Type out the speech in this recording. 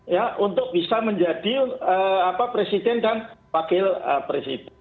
ya untuk bisa menjadi presiden dan wakil presiden